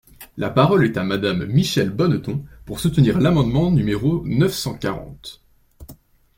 La parole est à Madame Michèle Bonneton, pour soutenir l’amendement numéro neuf cent quarante.